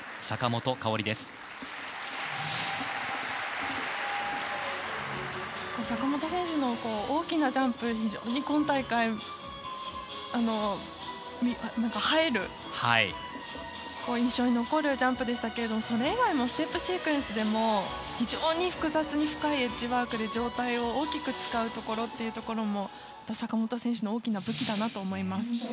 坂本選手の大きなジャンプ非常に今大会映える、印象に残るジャンプでしたけどもそれ以外のステップシークエンスでも非常に複雑に深いエッジワークで上体を大きく使うところっていうところも坂本選手の大きな武器だなと思います。